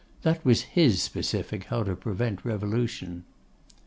That was his specific how to prevent revolution.